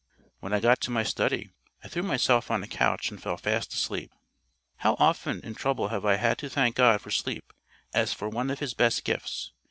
When I got to my study, I threw myself on a couch, and fell fast asleep. How often in trouble have I had to thank God for sleep as for one of His best gifts!